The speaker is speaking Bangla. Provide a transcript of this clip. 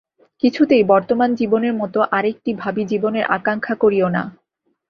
কিছুতেই বর্তমান জীবনের মত আর একটি ভাবী জীবনের আকাঙ্ক্ষা করিও না।